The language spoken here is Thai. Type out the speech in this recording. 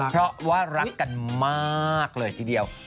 เพราะว่ารักกันมากเลยทีเดียว